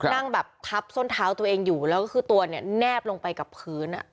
นั่งแบบทับส้นเท้าตัวเองอยู่แล้วก็คือตัวเนี่ยแนบลงไปกับพื้น